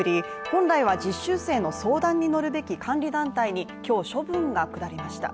本来は実習生の相談に乗るべき監理団体に今日、処分が下りました。